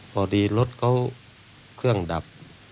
พอดีรถเขาเครื่องดับ